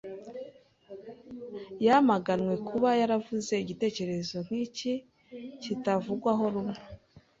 Yamaganwe kuba yaravuze igitekerezo nk'iki kitavugwaho rumwe.